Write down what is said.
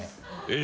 え！